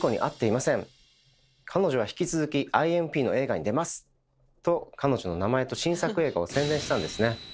「彼女は引き続きＩＭＰの映画に出ます」と彼女の名前と新作映画を宣伝したんですね。